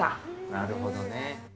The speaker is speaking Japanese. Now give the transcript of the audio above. なるほどね。